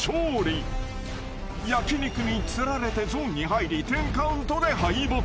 ［焼き肉に釣られてゾーンに入り１０カウントで敗北。